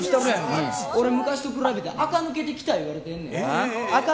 俺、昔と比べてあか抜けてきた言われてんねん。